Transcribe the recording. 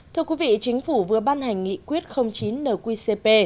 thưa quý vị chính phủ vừa ban hành nghị quyết chín nqcp